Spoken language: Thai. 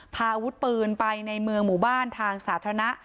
พาอาวุธปืนไปในเมืองหมู่บ้านทางสาธารณะ